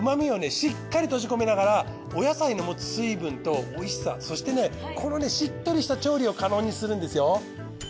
しっかり閉じ込めながらお野菜の持つ水分とおいしさそしてこのしっとりした調理を可能にするんですよ。